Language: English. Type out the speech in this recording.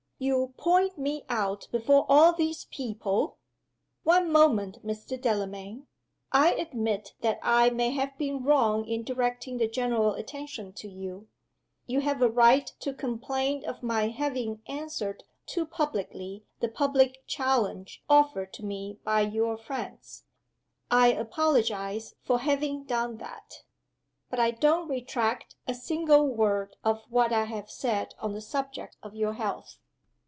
"You point me out before all these people " "One moment, Mr. Delamayn. I admit that I may have been wrong in directing the general attention to you. You have a right to complain of my having answered too publicly the public challenge offered to me by your friends. I apologize for having done that. But I don't retract a single word of what I have said on the subject of your health."